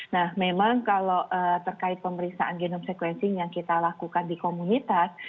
nah memang kalau terkait pemeriksaan genome sequencing yang kita lakukan di komunitas